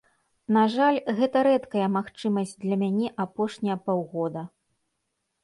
На жаль, гэта рэдкая магчымасць для мяне апошнія паўгода.